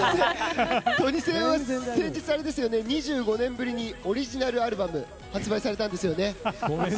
トニセンは先日、２５年ぶりにオリジナルアルバムそうなんですよ。